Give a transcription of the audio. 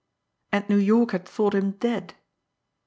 And New York had thought him dead!